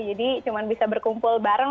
jadi cuman bisa berkumpul bareng